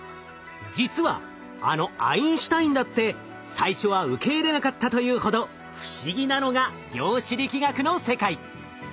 実はあのアインシュタインだって最初は受け入れなかったというほど不思議なのが量子力学の世界。